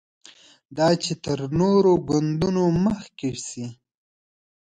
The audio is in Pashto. دا چې تر نورو ګوندونو مخکې شي.